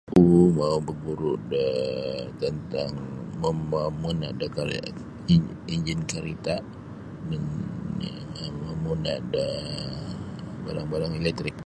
Oku mau baguru da tantang ma-mamuna da kari in-injin karita um mamuna da barang-barang elektrik.